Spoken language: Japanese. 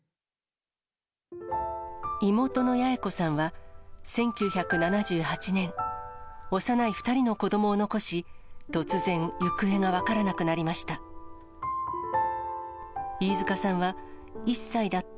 妹の八重子さんは、１９７８年、幼い２人の子どもを残し、突然、行方が分からなくなりました。